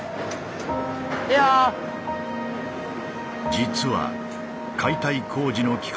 実は解体工事の期間